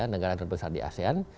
negara terbesar di asean